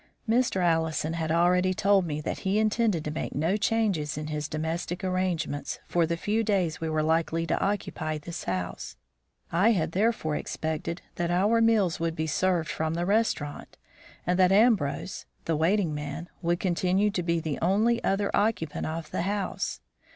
Mr. Allison had already told me that he intended to make no changes in his domestic arrangements for the few days we were likely to occupy this house. I had therefore expected that our meals would be served from the restaurant, and that Ambrose (the waiting man) would continue to be the only other occupant of the house.